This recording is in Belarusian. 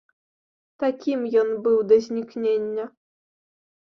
Такім ён быў да знікнення.